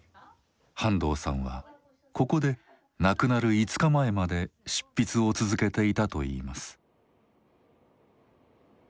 半藤さんはここで亡くなる５日前まで執筆を続けていたといいます。